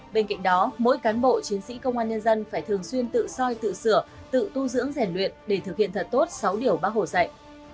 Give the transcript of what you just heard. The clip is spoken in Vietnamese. bên cạnh đó mỗi cán bộ chiến sĩ công an nhân dân phải thường xuyên tự soi tự sửa tự tu dưỡng rèn luyện để thực hiện thật tốt sáu điều bác hồ dạy